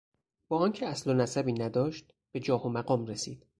با آنکه اصل و نسبی نداشت به جاه و مقام رسید.